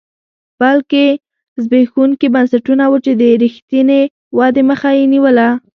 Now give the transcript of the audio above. بلکې زبېښونکي بنسټونه وو چې د رښتینې ودې مخه یې نیوله